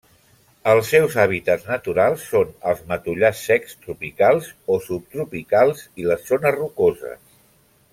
Els seus hàbitats naturals són els matollars secs tropicals o subtropicals i les zones rocoses.